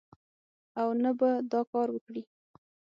او نه به دا کار وکړي